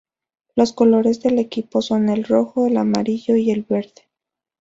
Los colores del equipo son el rojo, el amarillo y el verde.